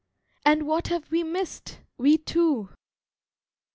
And what have we missed, we two!